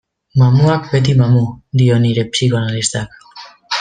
Mamuak beti mamu, dio nire psikoanalistak.